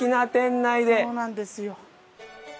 そうなんですよ。